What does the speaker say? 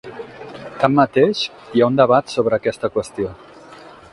Tanmateix, hi ha un debat sobre aquesta qüestió.